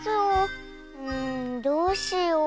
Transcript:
うんどうしよう。